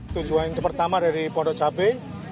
tujuan yang pertama dari pondok cabe